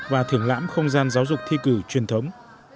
và thưởng lãm không gian giáo dục thi cử truyền thống